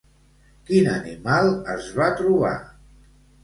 Quin animal es va trobar?